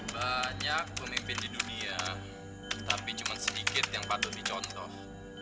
banyak pemimpin di dunia tapi cuma sedikit yang patut dicontoh